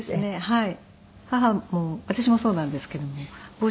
はい。